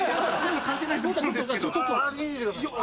味見てください。